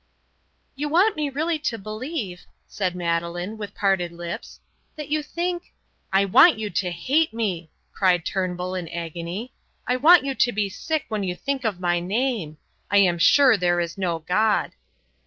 "You want me really to believe," said Madeleine, with parted lips, "that you think " "I want you to hate me!" cried Turnbull, in agony. "I want you to be sick when you think of my name. I am sure there is no God."